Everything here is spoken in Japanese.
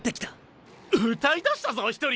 歌いだしたぞ１人！